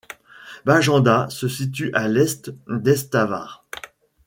Bajanda se situe à l'est d'Estavar.